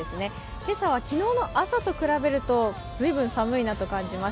今朝は昨日の朝と比べると随分寒いなと感じます。